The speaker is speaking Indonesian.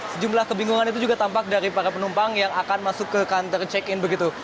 sejumlah kebingungan itu juga tampak dari para penumpang yang akan masuk ke kantor check in begitu